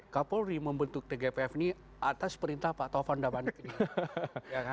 kapolri membentuk tgpf ini atas perintah pak tovanda bandung